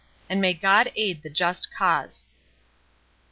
And may God aid the just cause!"